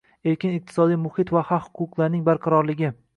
Erkin iqtisodiy muhit va haq-huquqlarning barqarorligi